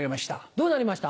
どうなりました？